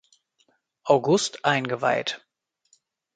August eingeweiht.